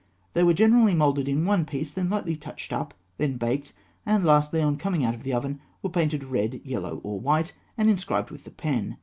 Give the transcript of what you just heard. They were generally moulded in one piece; then lightly touched up; then baked; and lastly, on coming out of the oven, were painted red, yellow, or white, and inscribed with the pen.